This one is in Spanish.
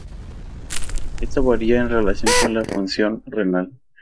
Esta varía en relación con la función renal.